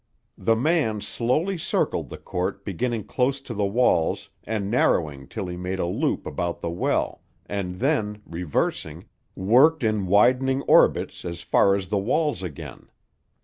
The man slowly circled the court beginning close to the walls and narrowing till he made a loop about the well, and then, reversing, worked in widening orbits as far as the walls again.